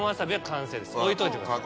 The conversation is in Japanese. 置いといてください。